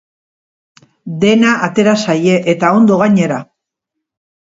Dena atera zaie, eta ondo, gainera.